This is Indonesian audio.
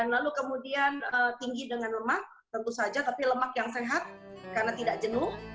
lalu tinggi dengan lemak tapi lemak yang sehat karena tidak jenuh